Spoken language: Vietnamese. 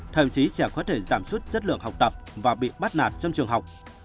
thậm chí trẻ có thể giảm suất chất lượng học tập và bị bắt nạt trong trường học